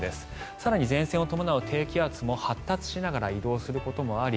更に前線を伴う低気圧も発達しながら移動することもあり